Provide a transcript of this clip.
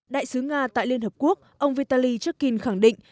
đại sứ nga tại liên hợp quốc ông vitaly chukin khẳng định